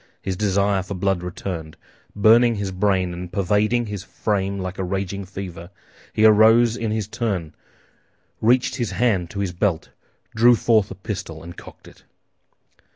His desire for blood returned, burning his brain and pervading his frame like a raging fever; he arose in his turn, reached his hand to his belt, drew forth a pistol, and cocked it.